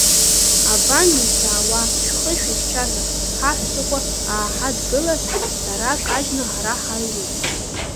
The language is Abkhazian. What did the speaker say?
Абан иахьаауа, шәхы шәыхьча ҳәа ҳаҳәсақәа ааҳадгылар, дара кажьны ҳара ҳаҩуеит.